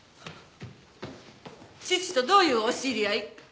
父とどういうお知り合い？